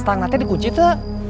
setangnya dikunci teh